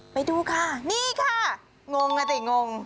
ไปดูค่ะนี่ค่ะงงอ่ะสิงง